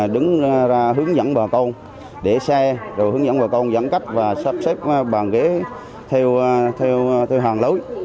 đứng ra hướng dẫn bà con để xe rồi hướng dẫn bà con giãn cách và sắp xếp bàn ghế theo hàng lối